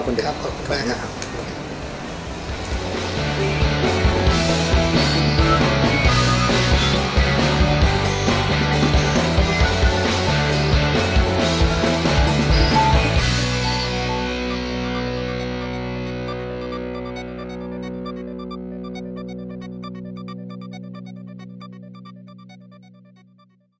โปรดติดตามตอนต่อไป